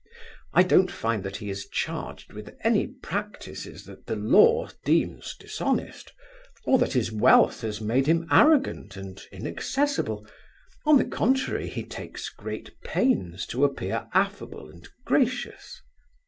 I don't find that he is charged with any practices that the law deems dishonest, or that his wealth has made him arrogant and inaccessible; on the contrary, he takes great pains to appear affable and gracious.